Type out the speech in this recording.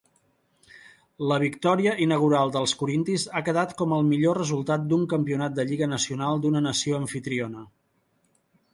La victòria inaugural dels corintis ha quedat com el millor resultat d'un campionat de lliga nacional d'una nació amfitriona.